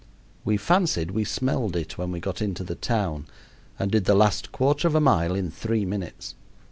We fancied we smelled it when we go into the town and did the last quarter of a mile in three minutes.